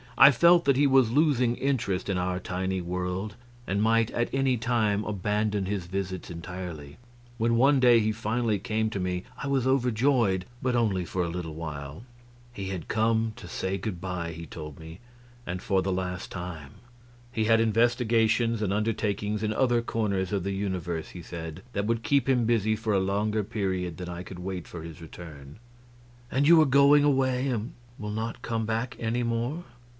I felt that he was losing interest in our tiny world and might at any time abandon his visits entirely. When one day he finally came to me I was overjoyed, but only for a little while. He had come to say good by, he told me, and for the last time. He had investigations and undertakings in other corners of the universe, he said, that would keep him busy for a longer period than I could wait for his return. "And you are going away, and will not come back any more?"